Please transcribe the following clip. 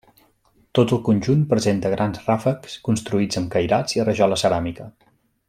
Tot el conjunt presenta grans ràfecs construïts amb cairats i rajola ceràmica.